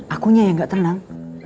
akunya yang gak tenang